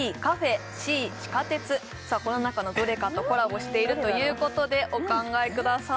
この中のどれかとコラボしているということでお考えください